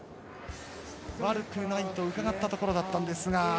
悪くないと伺ったところだったんですが。